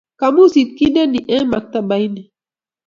kamusit kinde ni eng maktabaini